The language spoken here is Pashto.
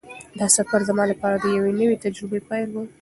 دا سفر زما لپاره د یوې نوې تجربې پیل و.